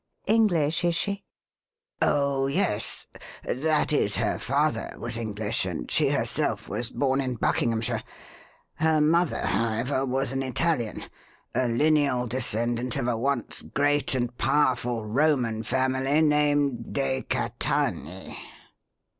English, is she?" "Oh, yes that is, her father was English and she herself was born in Buckinghamshire. Her mother, however, was an Italian, a lineal descendant of a once great and powerful Roman family named de Catanei."